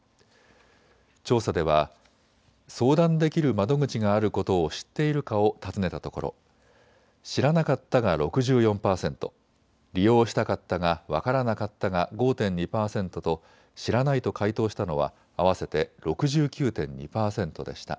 調査では相談できる窓口があることを知っているかを尋ねたところ知らなかったが６４％、利用したかったが分からなかったが５．２％と知らないと回答したのは合わせて６９．２％でした。